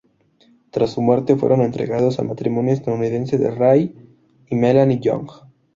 Tras su muerte, fueron entregados al matrimonio estadounidense de Ray y Melanie Young.